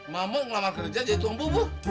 mahmud ngelamar kerja jadi tuang bubur